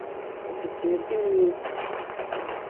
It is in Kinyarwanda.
Ufite imiti myiza?